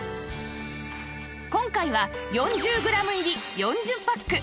今回は４０グラム入り４０パック